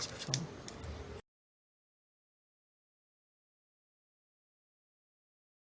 สวัสดีครับทุกคน